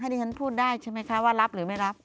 ที่ฉันพูดได้ใช่ไหมคะว่ารับหรือไม่รับ